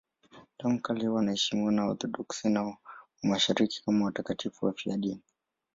Tangu kale wanaheshimiwa na Waorthodoksi wa Mashariki kama watakatifu wafiadini.